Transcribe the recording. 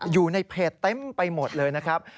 อยู่ในเพจเต็มไปหมดเลยนะครับ